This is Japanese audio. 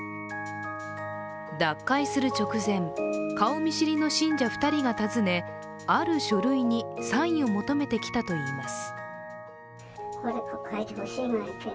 脱会する直前、顔見知りの信者２人が訪ねある書類にサインを求めてきたといいます。